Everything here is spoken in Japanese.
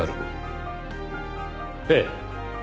ええ。